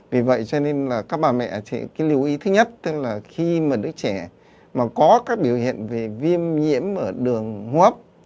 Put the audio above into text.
vì vậy cho nên là các bà mẹ cái lưu ý thứ nhất tức là khi mà đứa trẻ mà có các biểu hiện về viêm nhiễm ở đường hô hấp